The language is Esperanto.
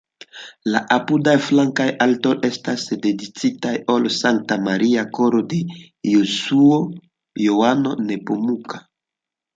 La apudaj flankaj altaroj estas dediĉitaj al Sankta Maria, Koro de Jesuo, Johano Nepomuka.